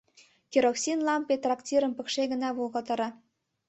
Керосин лампе трактирым пыкше гына волгалтара.